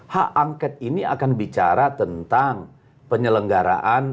hak angket ini akan bicara tentang penyelenggaraan